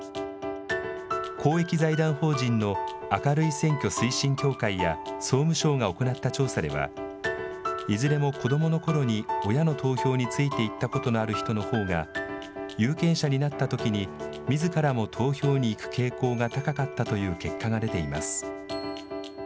公益財団法人の明るい選挙推進協会や総務省が行った調査ではいずれも子どものころに親の投票について行ったことのある人のほうが有権者になったときにみずからも投票に行く傾向が高かったという結果が出ています。